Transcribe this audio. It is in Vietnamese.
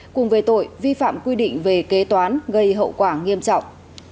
cùng về tội vi phạm quy định về kế toán gây hậu quả nghiêm trọng